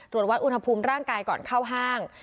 วัดอุณหภูมิร่างกายก่อนเข้าห้าง